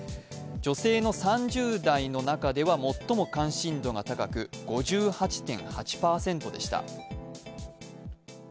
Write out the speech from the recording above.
女性の３０代の中では最も関心度が高く５８．８％でした。